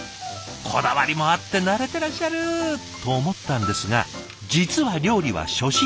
こだわりもあって慣れてらっしゃる！と思ったんですが実は料理は初心者。